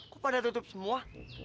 kok pada tutup semua